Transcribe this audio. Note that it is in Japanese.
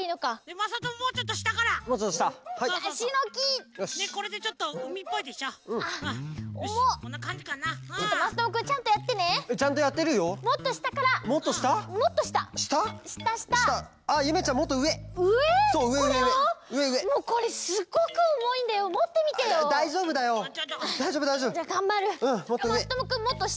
まさともくんもっとしたじゃん！